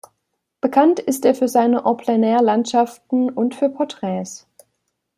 Bekannt ist er für seine en plein air-Landschaften und für Porträts.